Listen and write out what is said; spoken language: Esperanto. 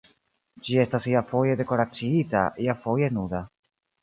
Ĝi estas iafoje dekoraciita, iafoje nuda.